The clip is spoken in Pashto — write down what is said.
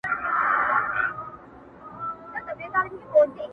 o کوڼ دوه واره خاندي٫